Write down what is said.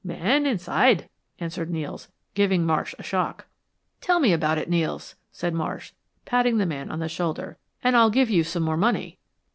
"Men inside," answered Nels, giving Marsh a shock. "Tell me all about it, Nels," said Marsh, patting the man on the shoulder, "and I'll give you some more money."